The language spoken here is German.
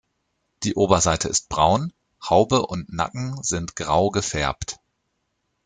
Die Oberseite ist braun, Haube und Nacken sind grau gefärbt.